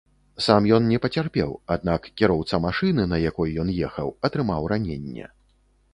Сам ён не пацярпеў, аднак кіроўца машыны, на якой ён ехаў, атрымаў раненне.